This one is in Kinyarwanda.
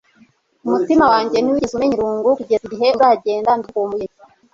umutima wanjye ntiwigeze umenya irungu kugeza igihe uzagenda ndagukumbuye